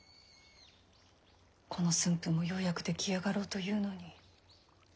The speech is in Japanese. この駿府もようやく出来上がろうというのに。